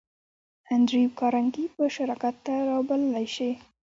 انډريو کارنګي به شراکت ته را وبللای شې؟